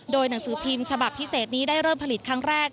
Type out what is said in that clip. โดยหนังสือพิมพ์ฉบับพิเศษนี้ได้เริ่มผลิตครั้งแรก